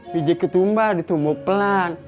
bijik ketumbar ditumbuk pelan